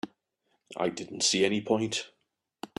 I didn't see any point.